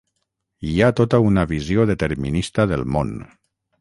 Hi ha tota una visió determinista del món.